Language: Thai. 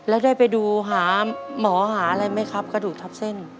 แล้วได้ไปดูหาหมอหาอะไรไหมครับกระดูกทับเส้น